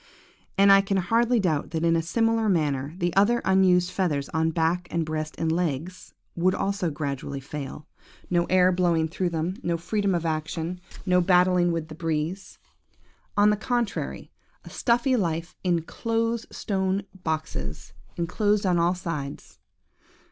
"And I can hardly doubt that in a similar manner, the other unused feathers on back and breast and legs, would also gradually fail. No air blowing through them, no freedom of action, no battling with the breeze. On the contrary, a stuffy life in close stone boxes, enclosed on all sides.